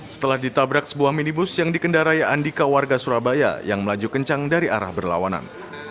setelah ditabrak sebuah minibus yang dikendarai andika warga surabaya yang melaju kencang dari arah berlawanan